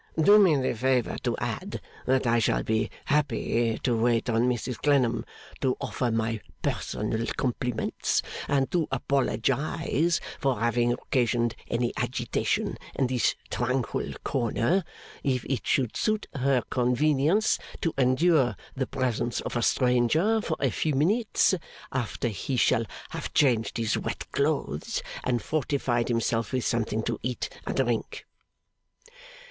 Do me the favour to add that I shall be happy to wait on Mrs Clennam, to offer my personal compliments, and to apologise for having occasioned any agitation in this tranquil corner, if it should suit her convenience to endure the presence of a stranger for a few minutes, after he shall have changed his wet clothes and fortified himself with something to eat and drink.